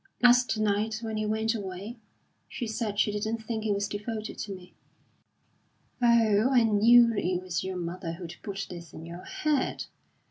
"Last night, when he went away, she said she didn't think he was devoted to me." "Oh, I knew it was your mother who'd put this in your head!